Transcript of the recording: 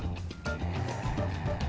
へえ！